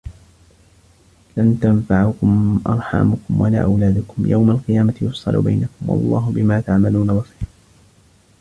لَن تَنفَعَكُم أَرحامُكُم وَلا أَولادُكُم يَومَ القِيامَةِ يَفصِلُ بَينَكُم وَاللَّهُ بِما تَعمَلونَ بَصيرٌ